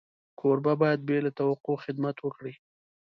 کوربه باید بې له توقع خدمت وکړي.